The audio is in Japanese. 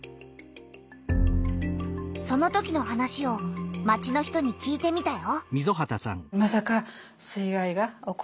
そのときの話を町の人に聞いてみたよ。